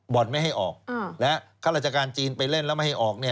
บอร์ดไม่ให้ออกและข้าราชการจีนไปเล่นแล้วไม่ให้ออกเนี่ย